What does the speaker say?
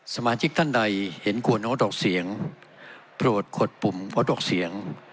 สมาชิกท่านใดเห็นควรงดออกเสียงโปรดกดปุ่มงดออกเสียง